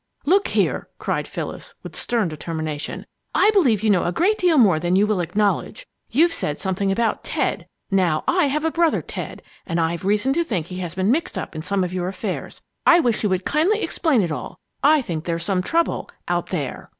"Look here!" cried Phyllis, with stern determination, "I believe you know a great deal more than you will acknowledge. You've said something about 'Ted.' Now, I have a brother Ted, and I've reason to think he has been mixed up with some of your affairs. I wish you would kindly explain it all. I think there's some trouble out there!"